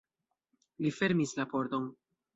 Li fermis la pordon.